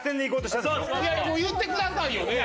いや言ってくださいよ。